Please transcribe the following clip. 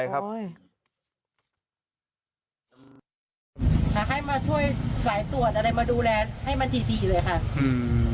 ขอให้มาช่วยสายตรวจอะไรมาดูแลให้มันทีเลยค่ะอืม